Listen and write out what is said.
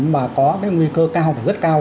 mà có nguy cơ cao và rất cao